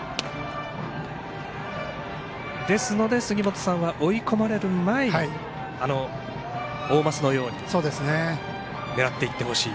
ですので、杉本さんは追い込まれる前に大舛のように狙っていってほしい。